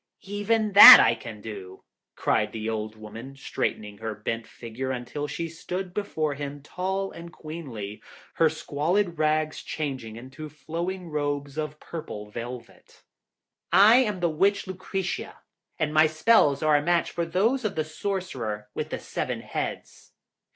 'Even that can I do!' cried the old woman, straightening her bent figure until she stood before him tall and queenly, her squalid rags changing into flowing robes of purple velvet. 'I am the Witch Lucretia, and my spells are a match for those of the Sorcerer with the Seven Heads.